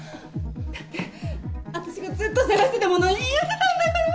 だって私がずっと探してたもの言い当てたんだから。